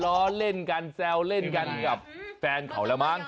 ล้อเล่นกันแซวเล่นกันกับแฟนเขาแล้วมั้ง